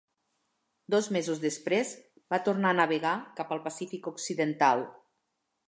Dos mesos després, va tornar a navegar cap al Pacífic Occidental.